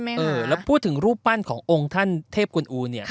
แล้วพูดถึงรูปปั้นขององค์ท่านเทพคุณอูเนี่ย